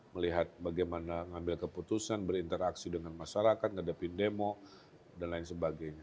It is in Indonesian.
melihat bagaimana mengambil keputusan berinteraksi dengan masyarakat menghadapi demo dll